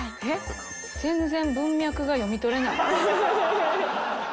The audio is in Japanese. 全然文脈が読み取れない。